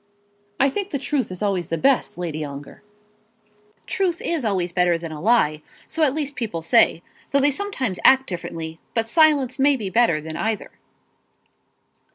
"I think the truth is always the best, Lady Ongar." "Truth is always better than a lie; so at least people say, though they sometimes act differently; but silence may be better than either."